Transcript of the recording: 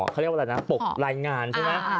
เขาเรียกว่าอะไรนะปกรายงานใช่ไหม